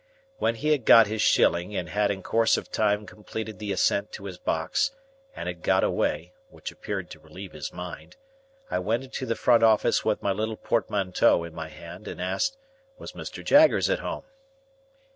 When he had got his shilling, and had in course of time completed the ascent to his box, and had got away (which appeared to relieve his mind), I went into the front office with my little portmanteau in my hand and asked, Was Mr. Jaggers at home?